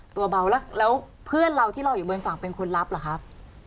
ตัวเบาแล้วเพื่อนเราที่รออยู่บนฝั่งเป็นคนรับเหรอครับ